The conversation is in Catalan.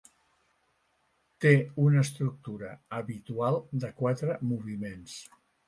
Té una estructura habitual de quatre moviments.